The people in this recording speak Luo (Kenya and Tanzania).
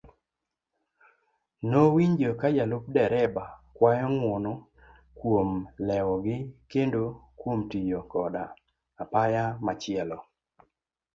Nowinjo kajalup dereba kwayo ng'uono kuom lewogi kendo kuom tiyo koda apaya machielo.